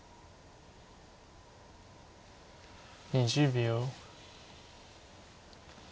２０秒。